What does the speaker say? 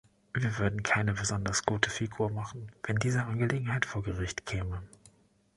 Wir würden keine besonders gute Figur machen, wenn diese Angelegenheit vor Gericht käme.